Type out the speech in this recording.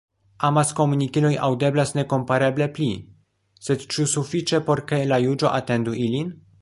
Amaskomunikiloj “aŭdeblas” nekompareble pli, sed ĉu sufiĉe por ke la ĵuĝo atentu ilin?